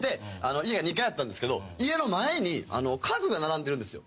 家２階やったんですけど家の前に家具が並んでるんですよ」